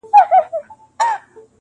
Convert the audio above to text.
ژوند راته لنډوکی د شبنم راکه,